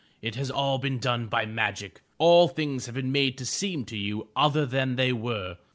It has all been done by magic. All things have been made to seem to you other than they were.